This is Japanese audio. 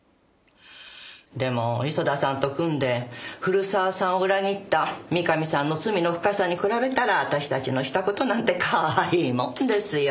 でも磯田さんと組んで古澤さんを裏切った三上さんの罪の深さに比べたら私たちのした事なんてかわいいもんですよ。